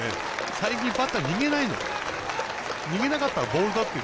最近、バッター逃げない。